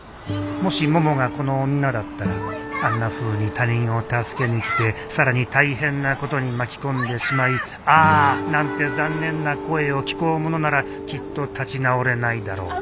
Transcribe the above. もしももがこの女だったらあんなふうに他人を助けに来て更に大変なことに巻き込んでしまい「ああ」なんて残念な声を聞こうものならきっと立ち直れないだろう